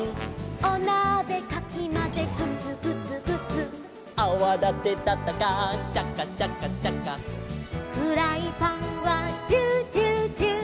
「おなべかきまぜグツグツグツ」「アワだてたったかシャカシャカシャカ」「フライパンはジュージュージュー」